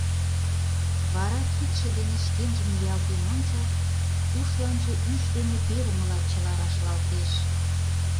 Вара кидше дене шкенжым ниялтен ончат, ушланже ӱш дене перымыла чыла рашлалтеш...